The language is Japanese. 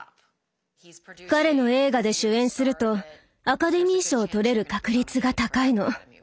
彼の映画で主演するとアカデミー賞を取れる確率が高いの。